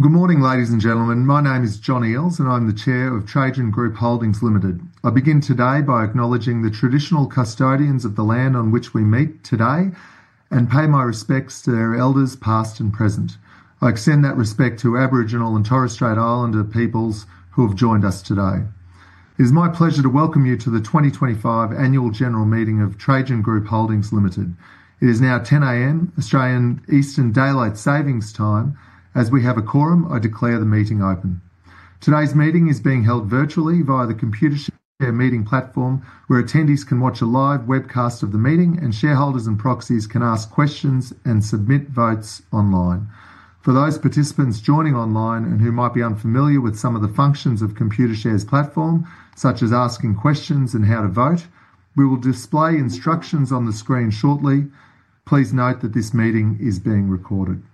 Good morning, ladies and gentlemen. My name is John Eales, and I'm the Chair of Trajan Group Holdings Limited. I begin today by acknowledging the traditional custodians of the land on which we meet today and pay my respects to their elders, past and present. I extend that respect to Aboriginal and Torres Strait Islander peoples who have joined us today. It is my pleasure to welcome you to the 2025 Annual General Meeting of Trajan Group Holdings Limited. It is now 10:00 A.M. Australian Eastern Daylight Savings Time. As we have a quorum, I declare the meeting open. Today's meeting is being held virtually via the Computer Share meeting platform, where attendees can watch a live webcast of the meeting, and shareholders and proxies can ask questions and submit votes online. For those participants joining online and who might be unfamiliar with some of the functions of the Computer Share platform, such as asking questions and how to vote, we will display instructions on the screen shortly. Please note that this meeting is being recorded.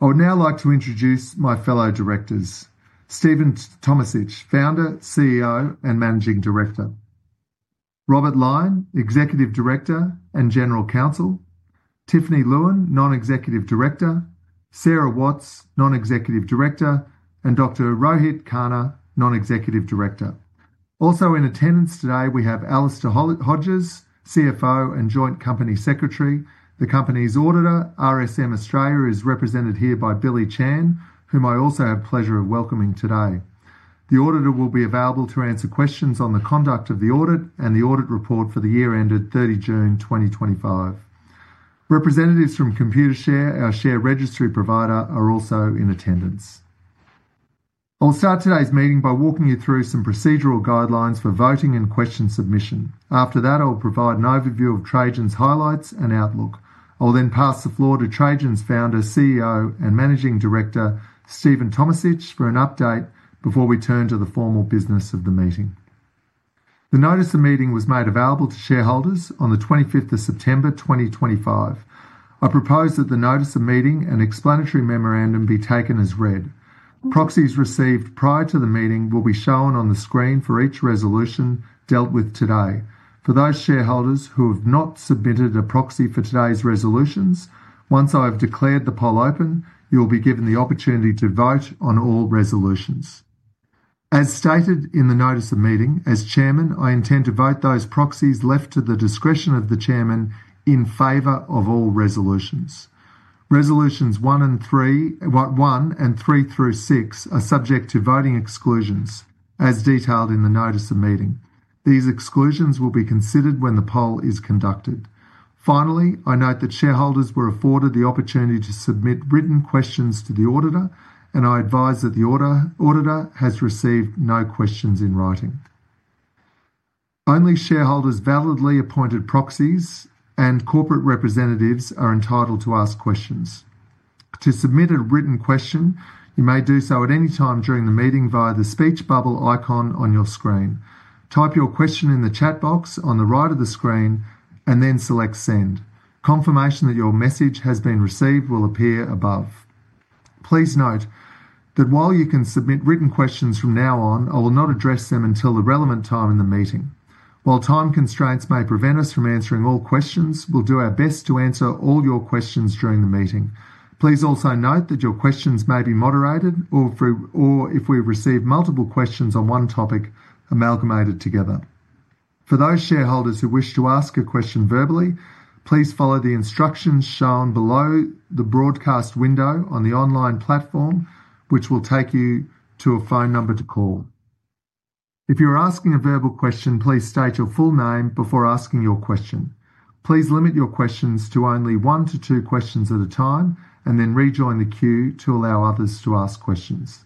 I would now like to introduce my fellow Directors: Stephen Tomisich, Founder, CEO, and Managing Director; Robert Line, Executive Director and General Counsel; Tiffany Lewin, Non-Executive Director; Sara Watts, Non-Executive Director; and Dr. Rohit Khanna, Non-Executive Director. Also in attendance today, we have Alister Hodges, CFO and Joint Company Secretary. The company's auditor, RSM Australia, is represented here by Billy Chan, whom I also have the pleasure of welcoming today. The auditor will be available to answer questions on the conduct of the audit and the audit report for the year ended 30 June 2025. Representatives from Computer Share, our share registry provider, are also in attendance. I'll start today's meeting by walking you through some procedural guidelines for voting and question submission. After that, I'll provide an overview of Trajan's highlights and outlook. I'll then pass the floor to Trajan's Founder, CEO, and Managing Director, Stephen Tomisich, for an update before we turn to the formal business of the meeting. The notice of meeting was made available to shareholders on the 25th of September 2025. I propose that the notice of meeting and explanatory memorandum be taken as read. Proxies received prior to the meeting will be shown on the screen for each resolution dealt with today. For those shareholders who have not submitted a proxy for today's resolutions, once I have declared the poll open, you will be given the opportunity to vote on all resolutions. As stated in the notice of meeting, as Chairman, I intend to vote those proxies left to the discretion of the Chairman in favor of all resolutions. Resolutions one and three, one and three through six, are subject to voting exclusions, as detailed in the notice of meeting. These exclusions will be considered when the poll is conducted. Finally, I note that shareholders were afforded the opportunity to submit written questions to the auditor, and I advise that the auditor has received no questions in writing. Only shareholders, validly appointed proxies, and corporate representatives are entitled to ask questions. To submit a written question, you may do so at any time during the meeting via the speech bubble icon on your screen. Type your question in the chat box on the right of the screen and then select send. Confirmation that your message has been received will appear above. Please note that while you can submit written questions from now on, I will not address them until the relevant time in the meeting. While time constraints may prevent us from answering all questions, we'll do our best to answer all your questions during the meeting. Please also note that your questions may be moderated or, if we receive multiple questions on one topic, amalgamated together. For those shareholders who wish to ask a question verbally, please follow the instructions shown below the broadcast window on the online platform, which will take you to a phone number to call. If you are asking a verbal question, please state your full name before asking your question. Please limit your questions to only one to two questions at a time and then rejoin the queue to allow others to ask questions.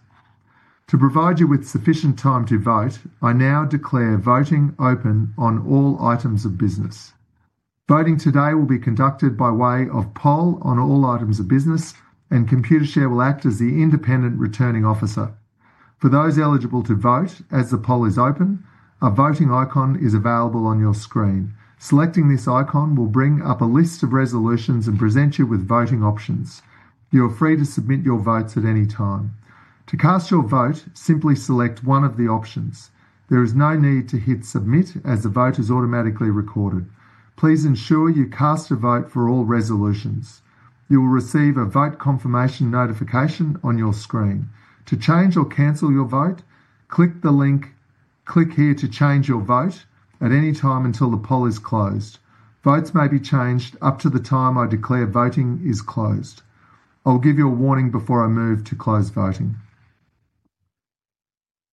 To provide you with sufficient time to vote, I now declare voting open on all items of business. Voting today will be conducted by way of poll on all items of business, and Computer Share will act as the independent returning officer. For those eligible to vote, as the poll is open, a voting icon is available on your screen. Selecting this icon will bring up a list of resolutions and present you with voting options. You are free to submit your votes at any time. To cast your vote, simply select one of the options. There is no need to hit submit, as the vote is automatically recorded. Please ensure you cast a vote for all resolutions. You will receive a vote confirmation notification on your screen. To change or cancel your vote, click the link, click here to change your vote at any time until the poll is closed. Votes may be changed up to the time I declare voting is closed. I'll give you a warning before I move to close voting.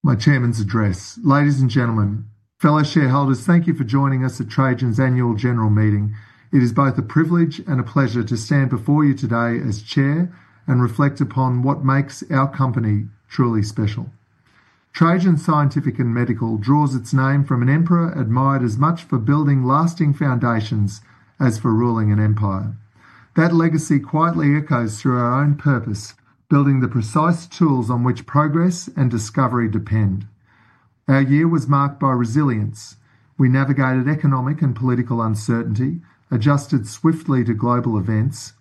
My Chairman's Address. Ladies and gentlemen, fellow shareholders, thank you for joining us at Trajan's Annual General Meeting. It is both a privilege and a pleasure to stand before you today as Chair and reflect upon what makes our company truly special. Trajan Scientific and Medical draws its name from an emperor admired as much for building lasting foundations as for ruling an empire. That legacy quietly echoes through our own purpose, building the precise tools on which progress and discovery depend. Our year was marked by resilience. We navigated economic and political uncertainty, adjusted swiftly to global events,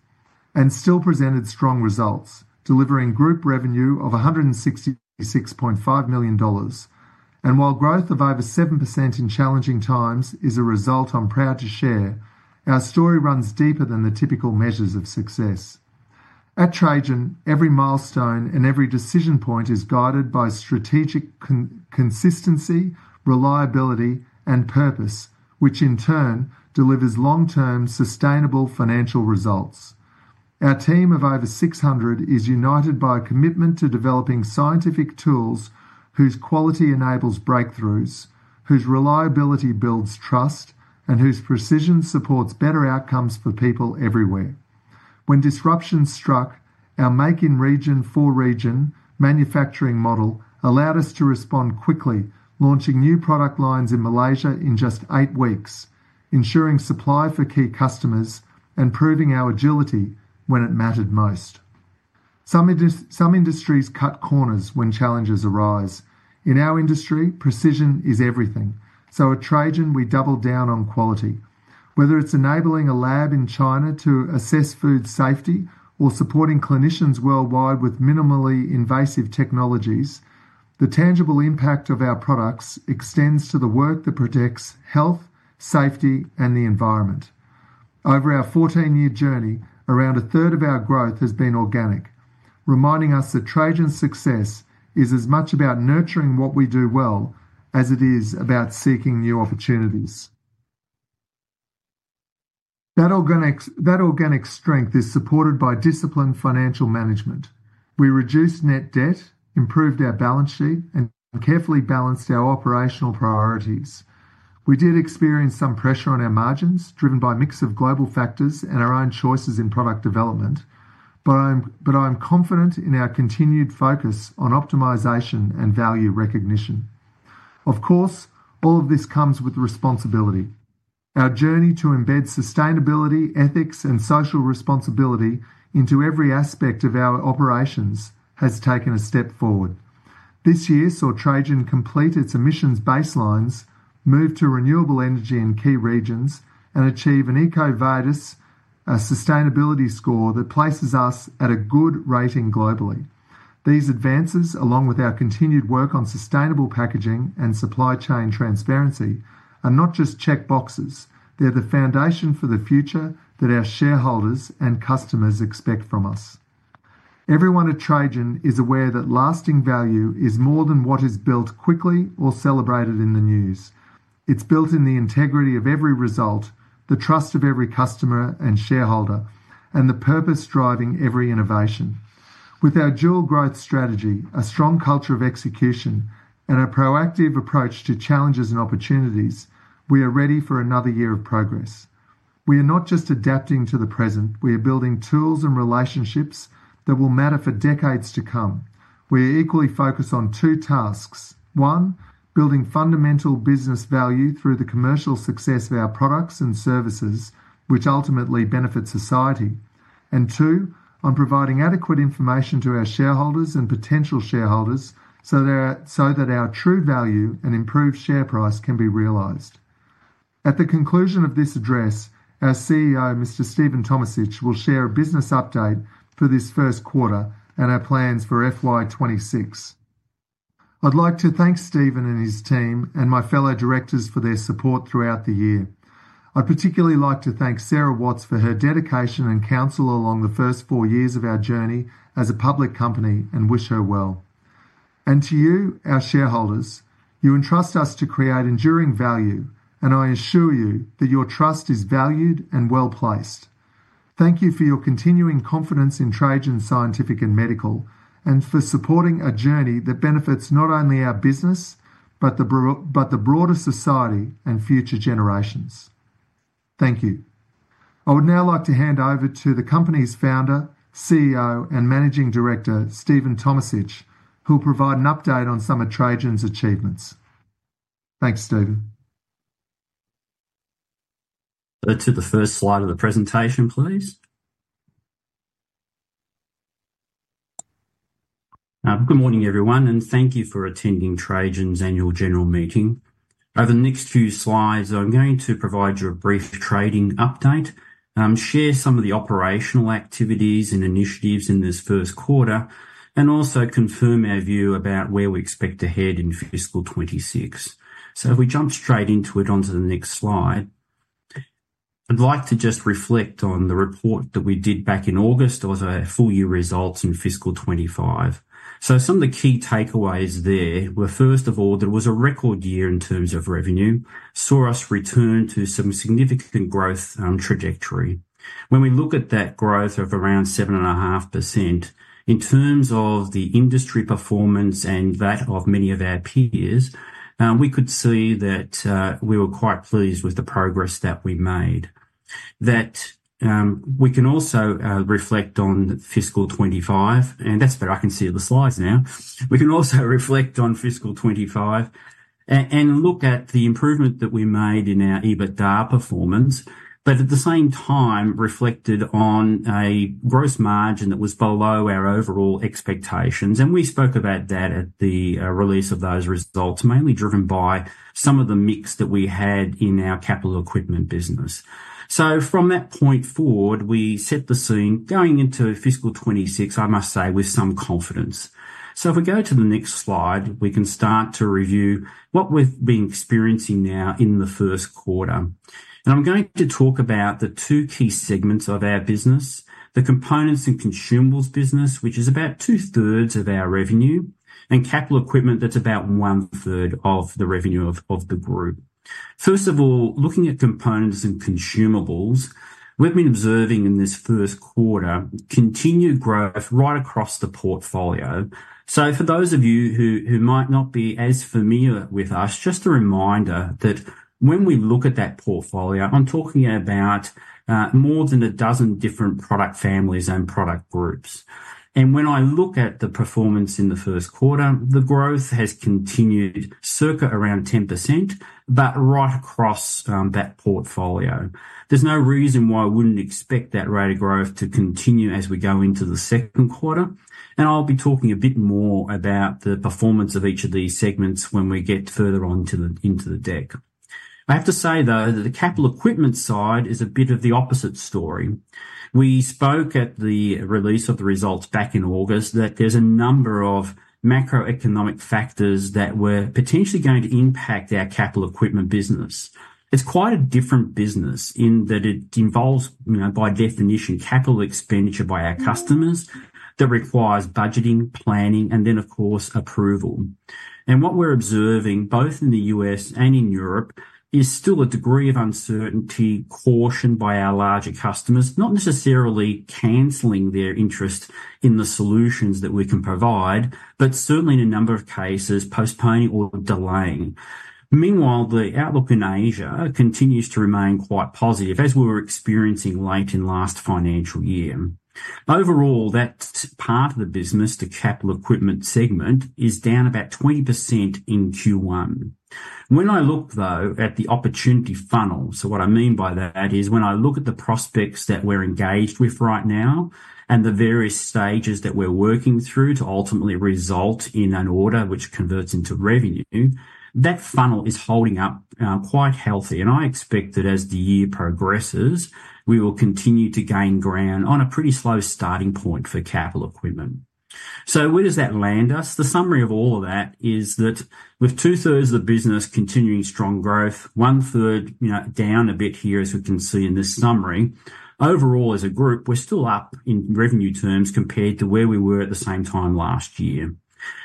and still presented strong results, delivering group revenue of $166.5 million. While growth of over 7% in challenging times is a result I'm proud to share, our story runs deeper than the typical measures of success. At Trajan, every milestone and every decision point is guided by strategic consistency, reliability, and purpose, which in turn delivers long-term sustainable financial results. Our team of over 600 is united by a commitment to developing scientific tools whose quality enables breakthroughs, whose reliability builds trust, and whose precision supports better outcomes for people everywhere. When disruptions struck, our make-in-region-for-region manufacturing model allowed us to respond quickly, launching new product lines in Malaysia in just eight weeks, ensuring supply for key customers, and proving our agility when it mattered most. Some industries cut corners when challenges arise. In our industry, precision is everything. At Trajan, we double down on quality. Whether it's enabling a lab in China to assess food safety or supporting clinicians worldwide with minimally invasive technologies, the tangible impact of our products extends to the work that protects health, safety, and the environment. Over our 14-year journey, around a third of our growth has been organic, reminding us that Trajan's success is as much about nurturing what we do well as it is about seeking new opportunities. That organic strength is supported by disciplined financial management. We reduced net debt, improved our balance sheet, and carefully balanced our operational priorities. We did experience some pressure on our margins, driven by a mix of global factors and our own choices in product development, but I'm confident in our continued focus on optimization and value recognition. Of course, all of this comes with responsibility. Our journey to embed sustainability, ethics, and social responsibility into every aspect of our operations has taken a step forward. This year saw Trajan complete its emissions baselining, move to renewable energy in key regions, and achieve an EcoVadis sustainability score that places us at a good rating globally. These advances, along with our continued work on sustainable packaging and supply chain transparency, are not just checkboxes. They're the foundation for the future that our shareholders and customers expect from us. Everyone at Trajan is aware that lasting value is more than what is built quickly or celebrated in the news. It's built in the integrity of every result, the trust of every customer and shareholder, and the purpose driving every innovation. With our dual growth strategy, a strong culture of execution, and a proactive approach to challenges and opportunities, we are ready for another year of progress. We are not just adapting to the present. We are building tools and relationships that will matter for decades to come. We are equally focused on two tasks: one, building fundamental business value through the commercial success of our products and services, which ultimately benefit society; and two, on providing adequate information to our shareholders and potential shareholders so that our true value and improved share price can be realized. At the conclusion of this address, our CEO, Mr. Stephen Tomisich, will share a business update for this first quarter and our plans for FY2026. I'd like to thank Stephen and his team and my fellow directors for their support throughout the year. I'd particularly like to thank Sara Watts for her dedication and counsel along the first four years of our journey as a public company and wish her well. To you, our shareholders, you entrust us to create enduring value, and I assure you that your trust is valued and well placed. Thank you for your continuing confidence in Trajan Group Holdings Limited and for supporting a journey that benefits not only our business but the broader society and future generations. Thank you. I would now like to hand over to the company's Founder, CEO, and Managing Director, Stephen Tomisich, who will provide an update on some of Trajan's achievements. Thanks, Stephen. To the first slide of the presentation, please. Good morning, everyone, and thank you for attending Trajan's Annual General Meeting. Over the next few slides, I'm going to provide you a brief trading update, share some of the operational activities and initiatives in this first quarter, and also confirm our view about where we expect to head in fiscal 2026. If we jump straight into it onto the next slide, I'd like to just reflect on the report that we did back in August of the full year results in fiscal 2025. Some of the key takeaways there were, first of all, that it was a record year in terms of revenue, saw us return to some significant growth trajectory. When we look at that growth of around 7.5% in terms of the industry performance and that of many of our peers, we could see that we were quite pleased with the progress that we made. We can also reflect on fiscal 2025, and that's better. I can see the slides now. We can also reflect on fiscal 2025 and look at the improvement that we made in our EBITDA performance, but at the same time, reflected on a gross margin that was below our overall expectations. We spoke about that at the release of those results, mainly driven by some of the mix that we had in our capital equipment business. From that point forward, we set the scene going into fiscal 2026, I must say, with some confidence. If we go to the next slide, we can start to review what we've been experiencing now in the first quarter. I'm going to talk about the two key segments of our business, the components and consumables business, which is about two-thirds of our revenue, and capital equipment that's about one-third of the revenue of the group. First of all, looking at components and consumables, we've been observing in this first quarter continued growth right across the portfolio. For those of you who might not be as familiar with us, just a reminder that when we look at that portfolio, I'm talking about more than a dozen different product families and product groups. When I look at the performance in the first quarter, the growth has continued circa around 10%, but right across that portfolio. There's no reason why I wouldn't expect that rate of growth to continue as we go into the second quarter. I'll be talking a bit more about the performance of each of these segments when we get further on into the deck. I have to say, though, that the capital equipment side is a bit of the opposite story. We spoke at the release of the results back in August that there's a number of macroeconomic factors that were potentially going to impact our capital equipment business. It's quite a different business in that it involves, you know, by definition, capital expenditure by our customers that requires budgeting, planning, and then, of course, approval. What we're observing, both in the U.S. and in Europe, is still a degree of uncertainty cautioned by our larger customers, not necessarily cancelling their interest in the solutions that we can provide, but certainly in a number of cases, postponing or delaying. Meanwhile, the outlook in Asia continues to remain quite positive, as we were experiencing late in last financial year. Overall, that's part of the business. The capital equipment segment is down about 20% in Q1. When I look, though, at the opportunity funnel—so what I mean by that is when I look at the prospects that we're engaged with right now and the various stages that we're working through to ultimately result in an order which converts into revenue—that funnel is holding up quite healthy. I expect that as the year progresses, we will continue to gain ground on a pretty slow starting point for capital equipment. Where does that land us? The summary of all of that is that with two-thirds of the business continuing strong growth, one-third, you know, down a bit here, as we can see in this summary, overall as a group, we're still up in revenue terms compared to where we were at the same time last year.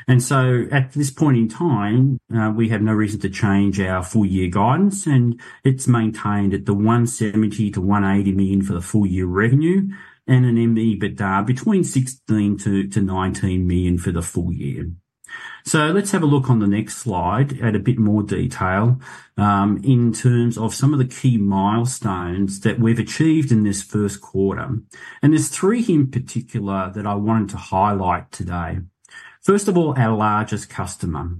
At this point in time, we have no reason to change our full year guidance, and it's maintained at the $170 million-$180 million for the full year revenue and an EBITDA between $16 million-$19 million for the full year. Let's have a look on the next slide at a bit more detail in terms of some of the key milestones that we've achieved in this first quarter. There's three in particular that I wanted to highlight today. First of all, our largest customer.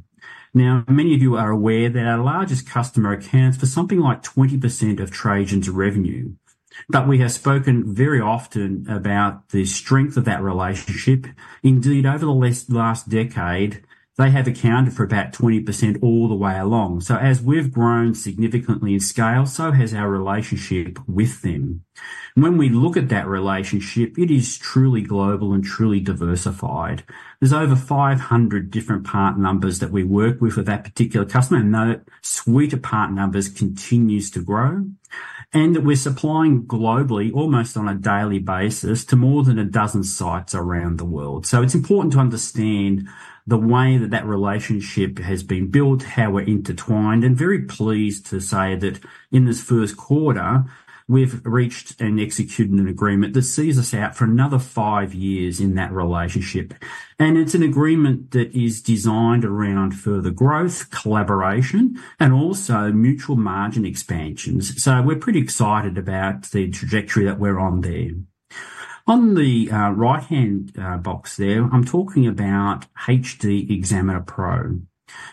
Now, many of you are aware that our largest customer accounts for something like 20% of Trajan's revenue. We have spoken very often about the strength of that relationship. Indeed, over the last decade, they have accounted for about 20% all the way along. As we've grown significantly in scale, so has our relationship with them. When we look at that relationship, it is truly global and truly diversified. There's over 500 different partners that we work with for that particular customer, and that suite of partners continues to grow and we're supplying globally almost on a daily basis to more than a dozen sites around the world. It's important to understand the way that relationship has been built, how we're intertwined, and very pleased to say that in this first quarter, we've reached and executed an agreement that sees us out for another five years in that relationship. It's an agreement that is designed around further growth, collaboration, and also mutual margin expansions. We're pretty excited about the trajectory that we're on there. On the right-hand box there, I'm talking about HD Examiner Pro.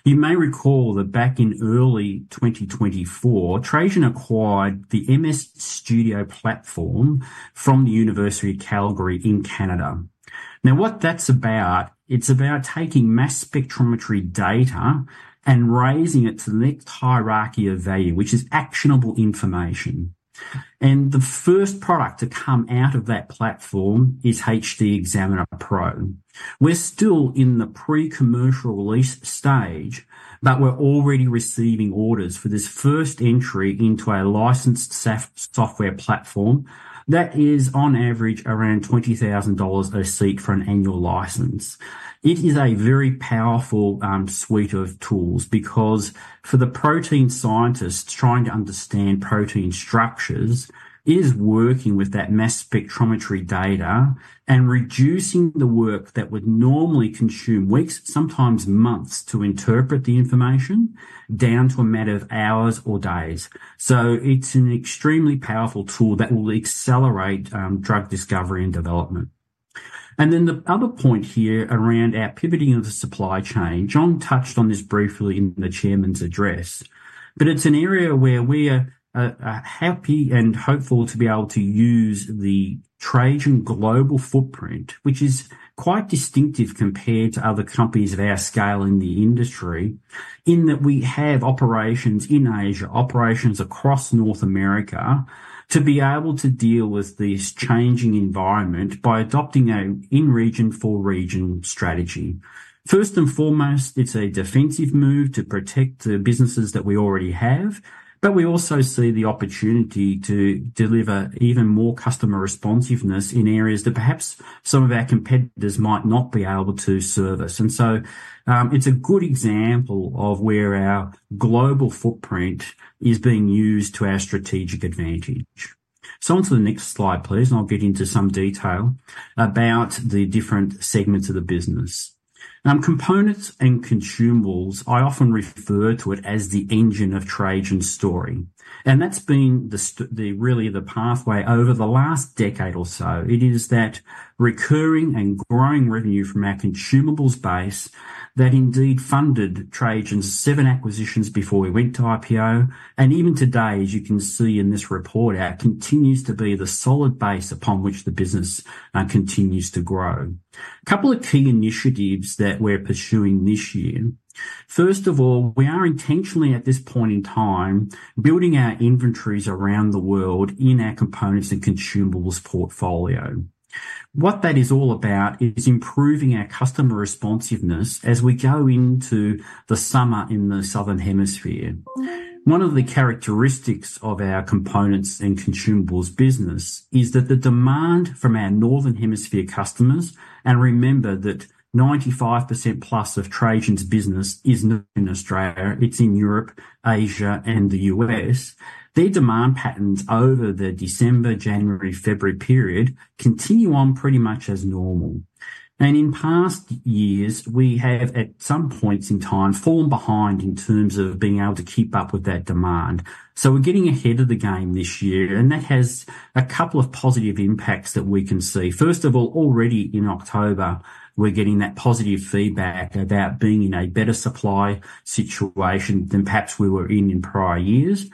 You may recall that back in early 2024, Trajan acquired the MS Studio platform from the University of Calgary in Canada. What that's about, it's about taking mass spectrometry data and raising it to the next hierarchy of value, which is actionable information. The first product to come out of that platform is HD Examiner Pro. We're still in the pre-commercial release stage, but we're already receiving orders for this first entry into a licensed software platform that is on average around $20,000 a seat for an annual license. It is a very powerful suite of tools because for the protein scientists trying to understand protein structures, it is working with that mass spectrometry data and reducing the work that would normally consume weeks, sometimes months, to interpret the information down to a matter of hours or days. It's an extremely powerful tool that will accelerate drug discovery and development. The other point here around our pivoting of the supply chain, John touched on this briefly in the Chairman's Address, but it's an area where we are happy and hopeful to be able to use the Trajan global footprint, which is quite distinctive compared to other companies of our scale in the industry, in that we have operations in Asia, operations across North America, to be able to deal with this changing environment by adopting an in-region-for-region strategy. First and foremost, it's a defensive move to protect the businesses that we already have, but we also see the opportunity to deliver even more customer responsiveness in areas that perhaps some of our competitors might not be able to service. It's a good example of where our global footprint is being used to our strategic advantage. On to the next slide, please, and I'll get into some detail about the different segments of the business. Components and consumables, I often refer to it as the engine of Trajan's story. That's been really the pathway over the last decade or so. It is that recurring and growing revenue from our consumables base that indeed funded Trajan's seven acquisitions before we went to IPO. Even today, as you can see in this report, it continues to be the solid base upon which the business continues to grow. A couple of key initiatives that we're pursuing this year. First of all, we are intentionally, at this point in time, building our inventories around the world in our components and consumables portfolio. What that is all about is improving our customer responsiveness as we go into the summer in the Southern Hemisphere. One of the characteristics of our components and consumables business is that the demand from our Northern Hemisphere customers, and remember that 95%+ of Trajan's business is not in Australia, it's in Europe, Asia, and the U.S., their demand patterns over the December, January, February period continue on pretty much as normal. In past years, we have, at some points in time, fallen behind in terms of being able to keep up with that demand. We're getting ahead of the game this year, and that has a couple of positive impacts that we can see. First of all, already in October, we're getting that positive feedback about being in a better supply situation than perhaps we were in prior years.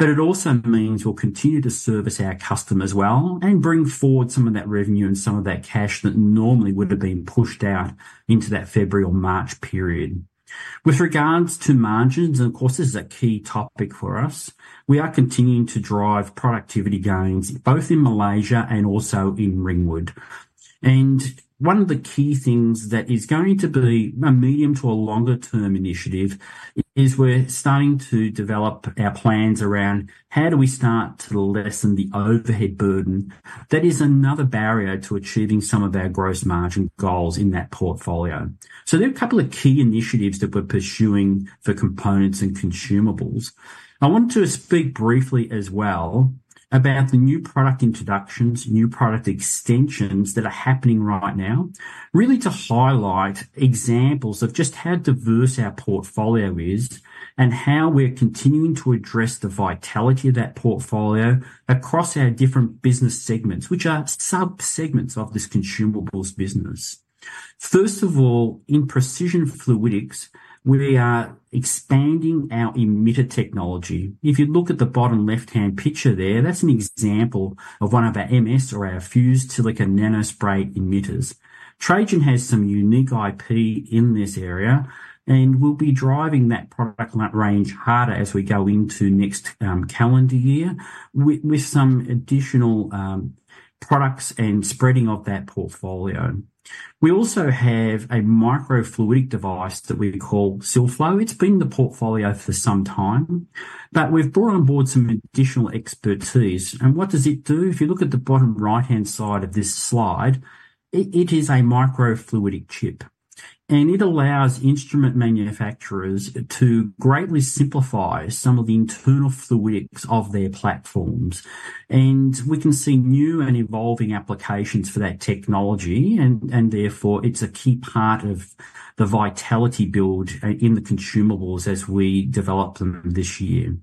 It also means we'll continue to service our customers well and bring forward some of that revenue and some of that cash that normally would have been pushed out into that February or March period. With regards to margins, and of course, this is a key topic for us, we are continuing to drive productivity gains both in Malaysia and also in Ringwood. One of the key things that is going to be a medium to a longer-term initiative is we're starting to develop our plans around how do we start to lessen the overhead burden that is another barrier to achieving some of our gross margin goals in that portfolio. There are a couple of key initiatives that we're pursuing for components and consumables. I want to speak briefly as well about the new product introductions, new product extensions that are happening right now, really to highlight examples of just how diverse our portfolio is and how we're continuing to address the vitality of that portfolio across our different business segments, which are sub-segments of this consumables business. First of all, in precision fluidics, we are expanding our emitter technology. If you look at the bottom left-hand picture there, that's an example of one of our MS or our fused silicon nanospray emitters. Trajan has some unique IP in this area and will be driving that product range harder as we go into next calendar year with some additional products and spreading of that portfolio. We also have a microfluidic device that we call SilFlow. It's been in the portfolio for some time, but we've brought on board some additional expertise. What does it do? If you look at the bottom right-hand side of this slide, it is a microfluidic chip. It allows instrument manufacturers to greatly simplify some of the internal fluidics of their platforms. We can see new and evolving applications for that technology, and therefore it's a key part of the vitality build in the consumables as we develop them this year.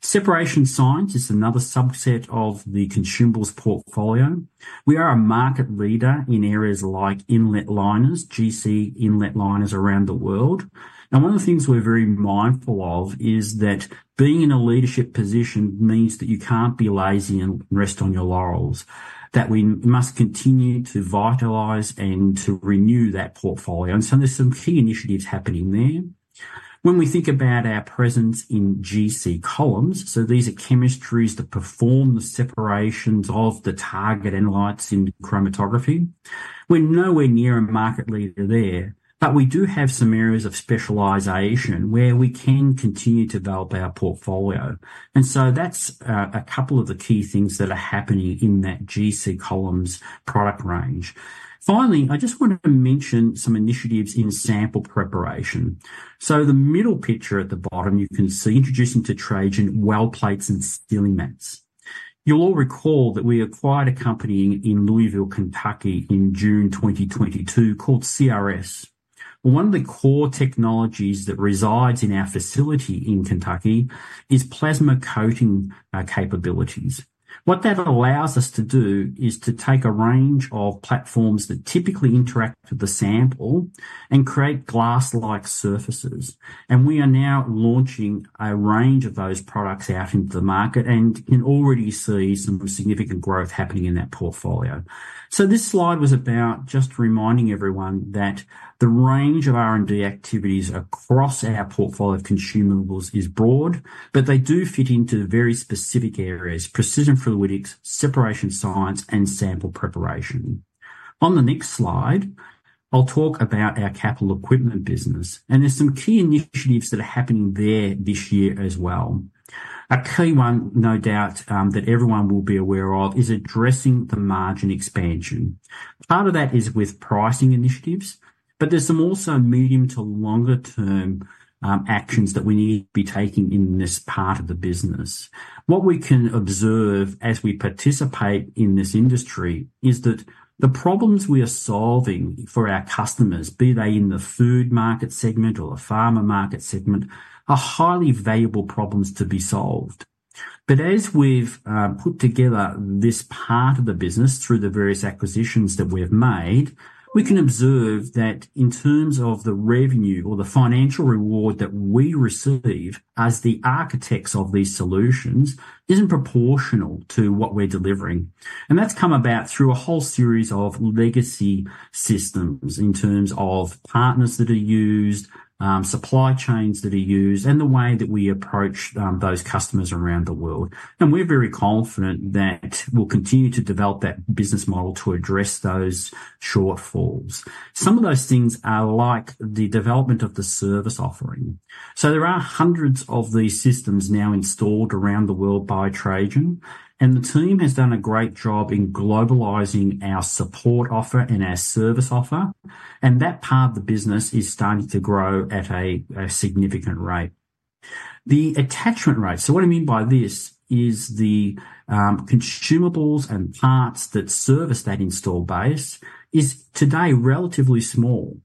Separation science is another subset of the consumables portfolio. We are a market leader in areas like inlet liners, GC inlet liners around the world. One of the things we're very mindful of is that being in a leadership position means that you can't be lazy and rest on your laurels, that we must continue to vitalise and to renew that portfolio. There's some key initiatives happening there. When we think about our presence in GC columns, these are chemistries that perform the separations of the target analytes in chromatography, we're nowhere near a market leader there, but we do have some areas of specialisation where we can continue to develop our portfolio. That's a couple of the key things that are happening in that GC columns product range. Finally, I just want to mention some initiatives in sample preparation. The middle picture at the bottom, you can see introducing to Trajan well plates and sealing mats. You’ll all recall that we acquired a company in Louisville, Kentucky, in June 2022 called Chromatography Research Supplies. One of the core technologies that resides in our facility in Kentucky is plasma coating capabilities. What that allows us to do is to take a range of platforms that typically interact with the sample and create glass-like surfaces. We are now launching a range of those products out into the market and can already see some significant growth happening in that portfolio. This slide was about just reminding everyone that the range of R&D activities across our portfolio of consumables is broad, but they do fit into very specific areas: precision fluidics, separation science, and sample preparation. On the next slide, I'll talk about our capital equipment business. There are some key initiatives that are happening there this year as well. A key one, no doubt, that everyone will be aware of is addressing the margin expansion. Part of that is with pricing initiatives, but there are also medium to longer-term actions that we need to be taking in this part of the business. What we can observe as we participate in this industry is that the problems we are solving for our customers, be they in the food market segment or the pharma market segment, are highly valuable problems to be solved. As we've put together this part of the business through the various acquisitions that we've made, we can observe that in terms of the revenue or the financial reward that we receive as the architects of these solutions isn't proportional to what we're delivering. That has come about through a whole series of legacy systems in terms of partners that are used, supply chains that are used, and the way that we approach those customers around the world. We're very confident that we'll continue to develop that business model to address those shortfalls. Some of those things are like the development of the service offering. There are hundreds of these systems now installed around the world by Trajan, and the team has done a great job in globalizing our support offer and our service offer. That part of the business is starting to grow at a significant rate. The attachment rate, so what I mean by this is the consumables and parts that service that install base, is today relatively small.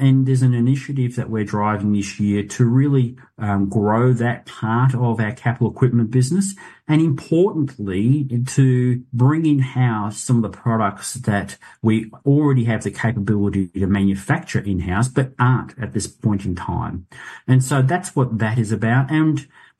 There's an initiative that we're driving this year to really grow that part of our capital equipment business and importantly to bring in-house some of the products that we already have the capability to manufacture in-house but aren't at this point in time. That is what that is about.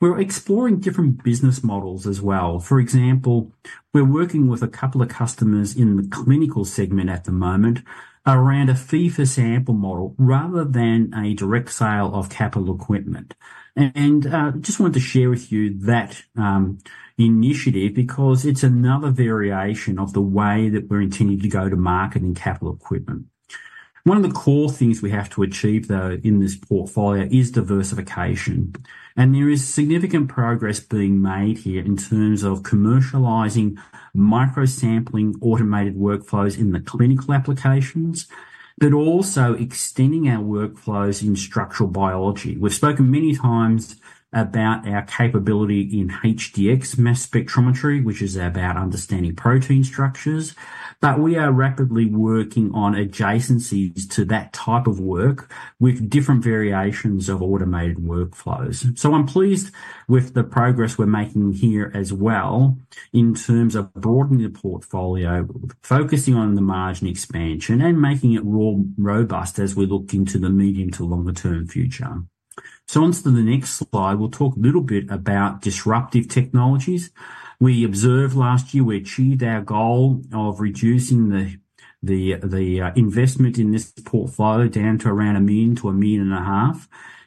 We're exploring different business models as well. For example, we're working with a couple of customers in the clinical segment at the moment around a fee-for-sample model rather than a direct sale of capital equipment. I just wanted to share with you that initiative because it's another variation of the way that we're intending to go to market in capital equipment. One of the core things we have to achieve in this portfolio is diversification. There is significant progress being made here in terms of commercializing micro-sampling automated workflows in the clinical applications, but also extending our workflows in structural biology. We've spoken many times about our capability in HDX mass spectrometry, which is about understanding protein structures, but we are rapidly working on adjacencies to that type of work with different variations of automated workflows. I'm pleased with the progress we're making here as well in terms of broadening the portfolio, focusing on the margin expansion, and making it robust as we look into the medium to longer-term future. On to the next slide, we'll talk a little bit about disruptive technologies. We observed last year we achieved our goal of reducing the investment in this portfolio down to around $1 million to $1.5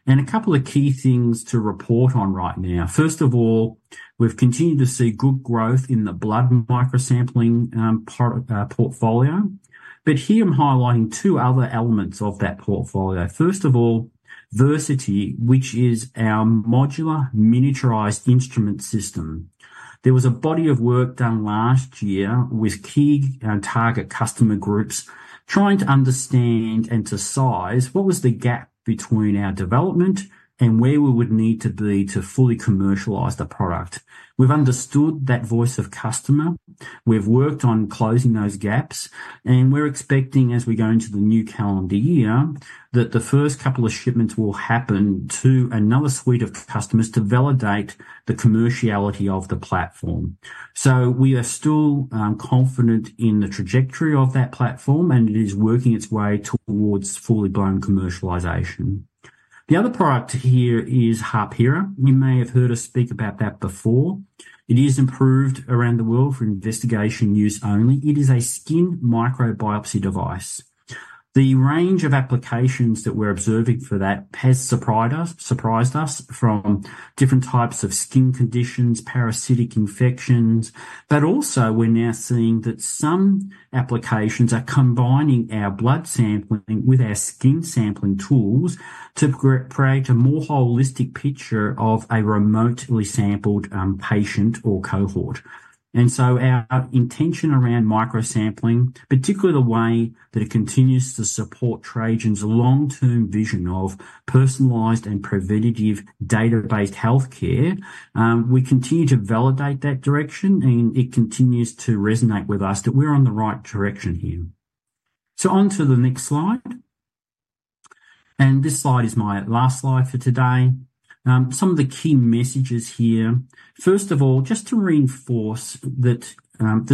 million. A couple of key things to report on right now. First of all, we've continued to see good growth in the blood micro-sampling portfolio. Here I'm highlighting two other elements of that portfolio. First of all, Versity, which is our modular miniaturized instrument system. There was a body of work done last year with key and target customer groups trying to understand and to size what was the gap between our development and where we would need to be to fully commercialize the product. We've understood that voice of customer. We've worked on closing those gaps. We're expecting, as we go into the new calendar year, that the first couple of shipments will happen to another suite of customers to validate the commerciality of the platform. We are still confident in the trajectory of that platform, and it is working its way towards fully blown commercialization. The other product here is Harpera. You may have heard us speak about that before. It is improved around the world for investigation use only. It is a skin microbiopsy device. The range of applications that we're observing for that has surprised us from different types of skin conditions, parasitic infections, but also we're now seeing that some applications are combining our blood sampling with our skin sampling tools to create a more holistic picture of a remotely sampled patient or cohort. Our intention around micro-sampling, particularly the way that it continues to support Trajan's long-term vision of personalised and preventative database healthcare, we continue to validate that direction, and it continues to resonate with us that we're on the right direction here. On to the next slide. This slide is my last slide for today. Some of the key messages here. First of all, just to reinforce the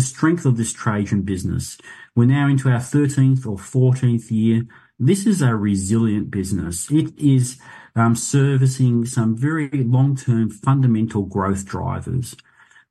strength of this Trajan business. We're now into our 13th or 14th year. This is a resilient business. It is servicing some very long-term fundamental growth drivers.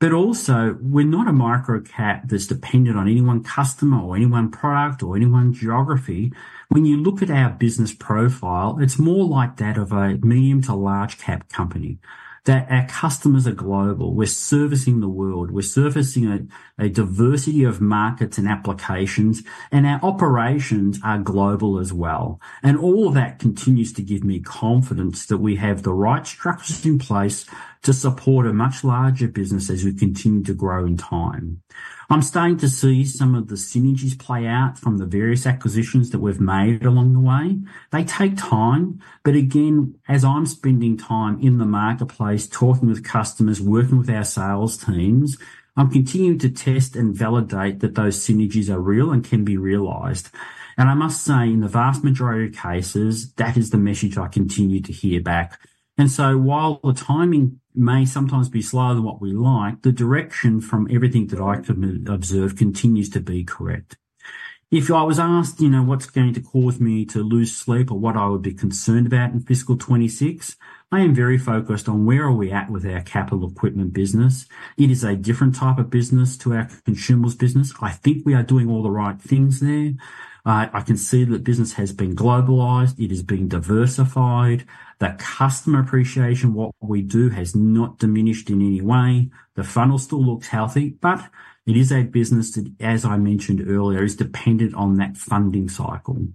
We're not a micro-cap that's dependent on any one customer or any one product or any one geography. When you look at our business profile, it's more like that of a medium to large-cap company. Our customers are global. We're servicing the world. We're servicing a diversity of markets and applications, and our operations are global as well. All of that continues to give me confidence that we have the right structures in place to support a much larger business as we continue to grow in time. I'm starting to see some of the synergies play out from the various acquisitions that we've made along the way. They take time, but as I'm spending time in the marketplace talking with customers, working with our sales teams, I'm continuing to test and validate that those synergies are real and can be realised. I must say, in the vast majority of cases, that is the message I continue to hear back. While the timing may sometimes be slower than what we like, the direction from everything that I can observe continues to be correct. If I was asked, you know, what's going to cause me to lose sleep or what I would be concerned about in fiscal 2026, I am very focused on where are we at with our capital equipment business. It is a different type of business to our consumables business. I think we are doing all the right things there. I can see that the business has been globalised. It has been diversified. The customer appreciation of what we do has not diminished in any way. The funnel still looks healthy, but it is a business that, as I mentioned earlier, is dependent on that funding cycle.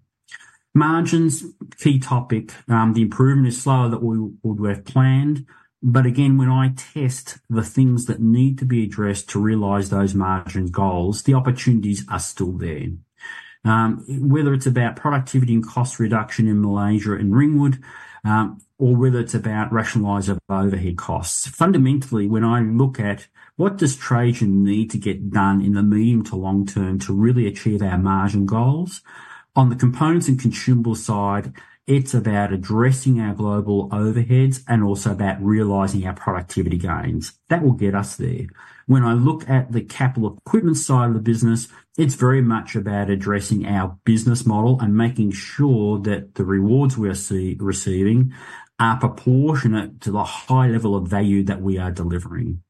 Margins, key topic. The improvement is slower than we would have planned. When I test the things that need to be addressed to realize those margin goals, the opportunities are still there. Whether it's about productivity and cost reduction in Malaysia and Ringwood, or whether it's about rationalizing overhead costs. Fundamentally, when I look at what does Trajan need to get done in the medium to long term to really achieve our margin goals, on the components and consumables side, it's about addressing our global overheads and also about realizing our productivity gains. That will get us there. When I look at the capital equipment side of the business, it's very much about addressing our business model and making sure that the rewards we are receiving are proportionate to the high level of value that we are delivering.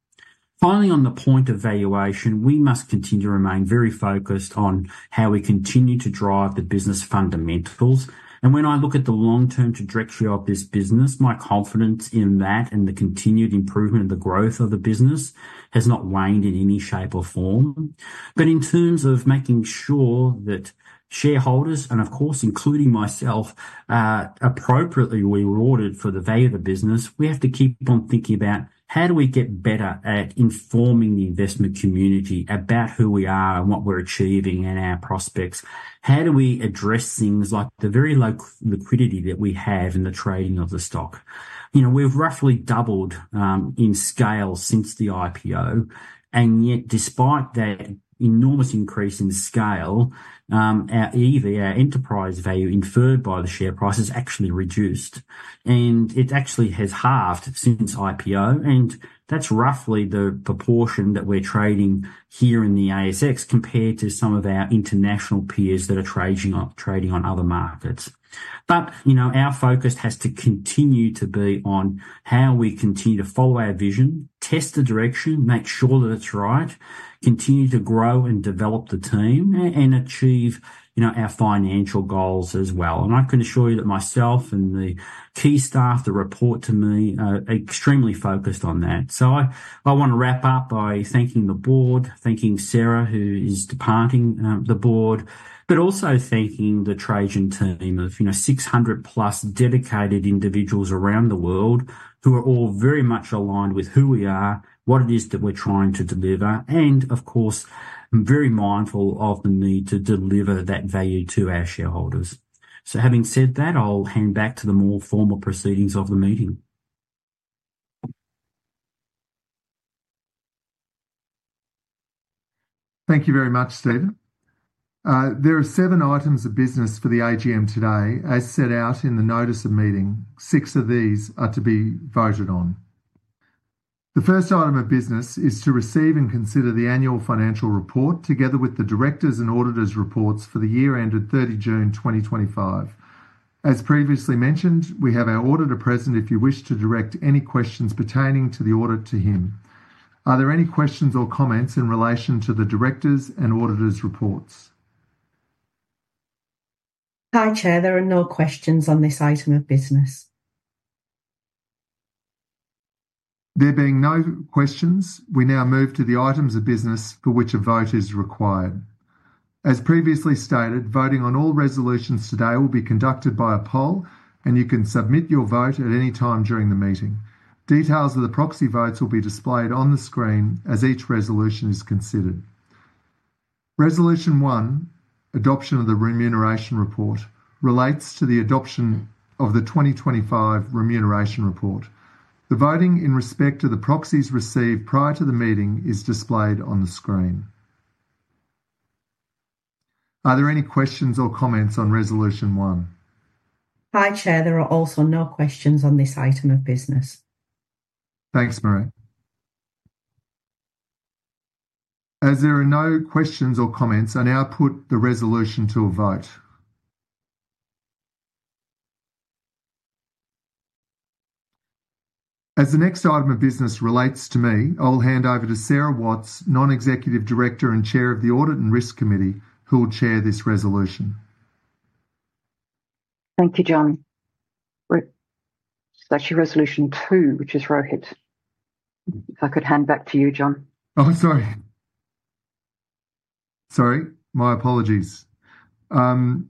Finally, on the point of valuation, we must continue to remain very focused on how we continue to drive the business fundamentals. When I look at the long-term trajectory of this business, my confidence in that and the continued improvement of the growth of the business has not waned in any shape or form. In terms of making sure that shareholders, and of course, including myself, are appropriately rewarded for the value of the business, we have to keep on thinking about how do we get better at informing the investment community about who we are and what we're achieving and our prospects. How do we address things like the very low liquidity that we have in the trading of the stock? We've roughly doubled in scale since the IPO. Yet, despite that enormous increase in scale, our EV, our enterprise value inferred by the share price, has actually reduced. It actually has halved since IPO. That's roughly the proportion that we're trading here in the ASX compared to some of our international peers that are trading on other markets. Our focus has to continue to be on how we continue to follow our vision, test the direction, make sure that it's right, continue to grow and develop the team, and achieve our financial goals as well. I can assure you that myself and the key staff that report to me are extremely focused on that. I want to wrap up by thanking the Board, thanking Sara, who is departing the Board, but also thanking the Trajan team of 600+ dedicated individuals around the world who are all very much aligned with who we are, what it is that we're trying to deliver, and of course, I'm very mindful of the need to deliver that value to our shareholders. Having said that, I'll hand back to the more formal proceedings of the meeting. Thank you very much, Stephen. There are seven items of business for the AGM today. As set out in the notice of meeting, six of these are to be voted on. The first item of business is to receive and consider the annual financial report together with the Directors' and Auditors' reports for the year ended 30 June 2025. As previously mentioned, we have our auditor present if you wish to direct any questions pertaining to the audit to him. Are there any questions or comments in relation to the Directors' and Auditors' reports? No, Chair, there are no questions on this item of business. There being no questions, we now move to the items of business for which a vote is required. As previously stated, voting on all resolutions today will be conducted by a poll, and you can submit your vote at any time during the meeting. Details of the proxy votes will be displayed on the screen as each resolution is considered. Resolution one, adoption of the remuneration report, relates to the adoption of the 2025 remuneration report. The voting in respect to the proxies received prior to the meeting is displayed on the screen. Are there any questions or comments on resolution one? No, Chair, there are also no questions on this item of business. Thanks, Marie. As there are no questions or comments, I now put the resolution to a vote. As the next item of business relates to me, I'll hand over to Sara Watts, Non-Executive Director and Chair of the Audit and Risk Committee, who will chair this resolution. Thank you, John. It's actually resolution two, which is Rohit. If I could hand back to you, John. Sorry, my apologies. Mr.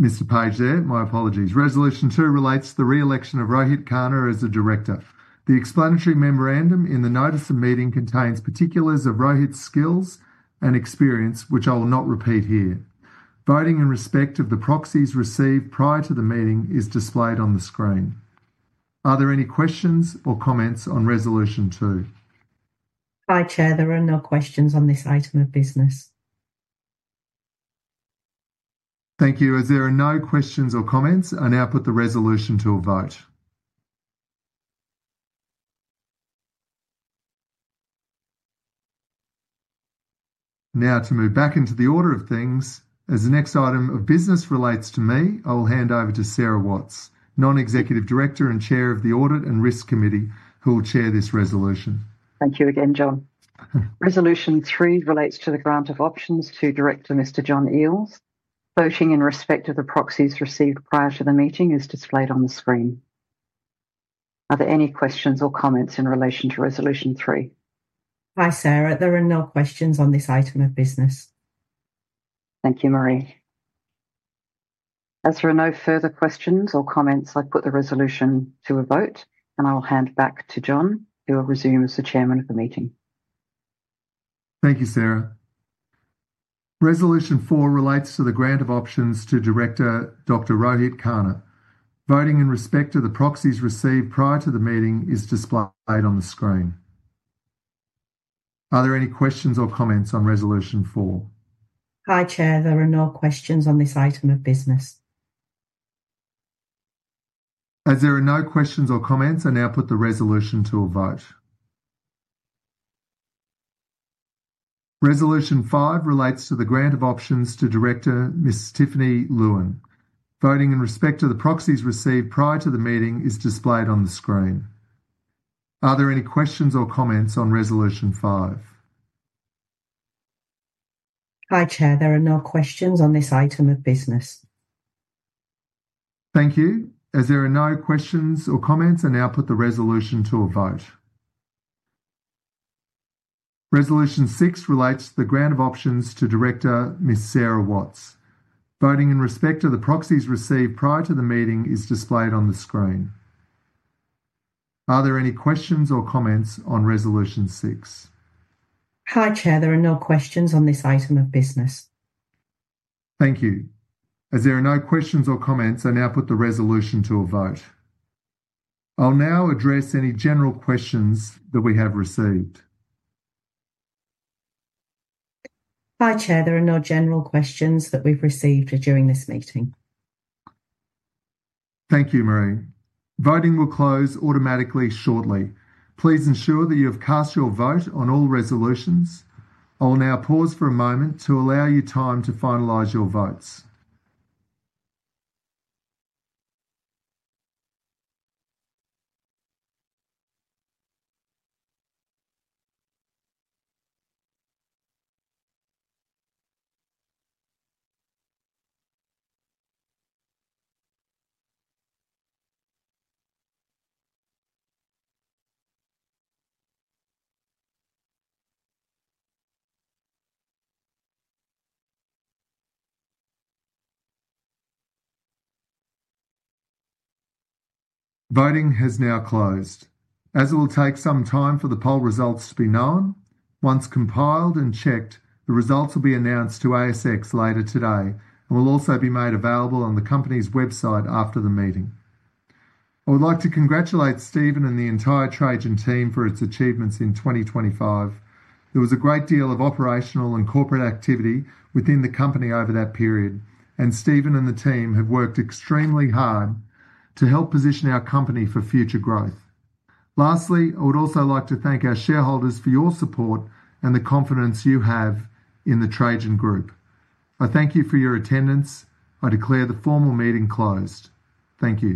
Page there, my apologies. Resolution two relates to the re-election of Rohit Khanna as the Director. The explanatory memorandum in the notice of meeting contains particulars of Rohit's skills and experience, which I will not repeat here. Voting in respect of the proxies received prior to the meeting is displayed on the screen. Are there any questions or comments on resolution two? No, Chair, there are no questions on this item of business. Thank you. As there are no questions or comments, I now put the resolution to a vote. Now, to move back into the order of things, as the next item of business relates to me, I'll hand over to Sara Watts, Non-Executive Director and Chair of the Audit and Risk Committee, who will chair this resolution. Thank you again, John. Resolution three relates to the grant of options to Director Mr. John Eales. Voting in respect of the proxies received prior to the meeting is displayed on the screen. Are there any questions or comments in relation to resolution three? Hi, Sara. There are no questions on this item of business. Thank you, Marie. As there are no further questions or comments, I put the resolution to a vote, and I will hand back to John, who will resume as the Chairman of the meeting. Thank you, Sara. Resolution four relates to the grant of options to Director Dr. Rohit Khanna. Voting in respect to the proxies received prior to the meeting is displayed on the screen. Are there any questions or comments on resolution four? Hi, Chair. There are no questions on this item of business. As there are no questions or comments, I now put the resolution to a vote. Resolution five relates to the grant of options to Director Ms. Tiffany Lewin. Voting in respect to the proxies received prior to the meeting is displayed on the screen. Are there any questions or comments on resolution five? Hi, Chair. There are no questions on this item of business. Thank you. As there are no questions or comments, I now put the resolution to a vote. Resolution six relates to the grant of options to Director Ms. Sara Watts. Voting in respect to the proxies received prior to the meeting is displayed on the screen. Are there any questions or comments on resolution six? Hi, Chair. There are no questions on this item of business. Thank you. As there are no questions or comments, I now put the resolution to a vote. I'll now address any general questions that we have received. Hi, Chair. There are no general questions that we've received during this meeting. Thank you, Marie. Voting will close automatically shortly. Please ensure that you have cast your vote on all resolutions. I'll now pause for a moment to allow you time to finalise your votes. Voting has now closed. As it will take some time for the poll results to be known, once compiled and checked, the results will be announced to ASX later today and will also be made available on the company's website after the meeting. I would like to congratulate Stephen and the entire Trajan team for its achievements in 2025. There was a great deal of operational and corporate activity within the company over that period, and Stephen and the team have worked extremely hard to help position our company for future growth. Lastly, I would also like to thank our shareholders for your support and the confidence you have in the Trajan Group. I thank you for your attendance. I declare the formal meeting closed. Thank you.